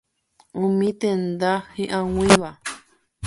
Umi tenda hi'ag̃uíva.